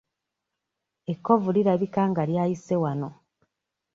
Ekkovu lirabika nga lyayise wano.